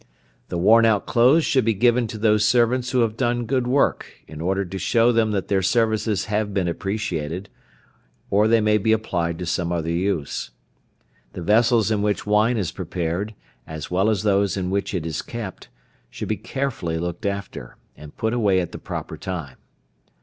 The worn out clothes should be given to those servants who have done good work, in order to show them that their services have been appreciated, or they may be applied to some other use. The vessels in which wine is prepared, as well as those in which it is kept, should be carefully looked after, and put away at the proper time.